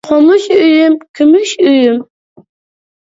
قومۇش ئۆيۈم، كۈمۈش ئۆيۈم.